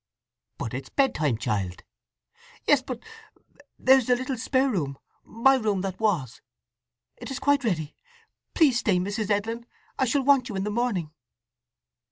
"But it is bedtime, child." "Yes, but—there's the little spare room—my room that was. It is quite ready. Please stay, Mrs. Edlin!—I shall want you in the morning."